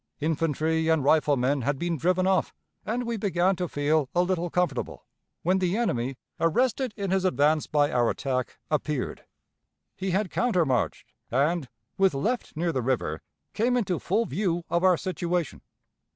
Infantry and riflemen had been driven off, and we began to feel a little comfortable, when the enemy, arrested in his advance by our attack, appeared. He had countermarched, and, with left near the river, came into full view of our situation.